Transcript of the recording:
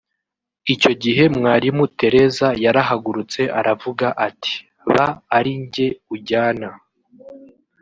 Icyo gihe Mwalimu Tereza yarahagurutse aravuga ati ‘ba ari jye ujyana